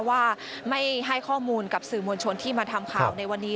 ว่าไม่ให้ข้อมูลกับสื่อมวลชนที่มาทำข่าวในวันนี้